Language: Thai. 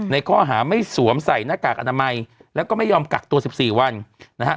ในข้อหาไม่สวมใส่หน้ากากอนามัยแล้วก็ไม่ยอมกักตัว๑๔วันนะฮะ